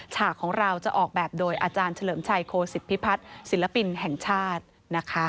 ฉากของเราจะออกแบบโดยอาจารย์เฉลิมชัยโคสิตพิพัฒน์ศิลปินแห่งชาตินะคะ